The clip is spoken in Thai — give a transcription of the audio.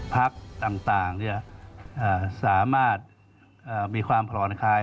พักต่างสามารถมีความผ่อนคลาย